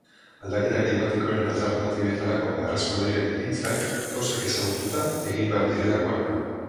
Aldaketa klimatikoaren alternatibetarako beharrezkoak diren ekintzak gauzak ezagututa egin behar direlakoan nago.